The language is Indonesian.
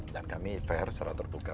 dan kami fair secara terbuka